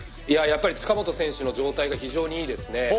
やっぱり塚本選手の状態が非常にいいですね。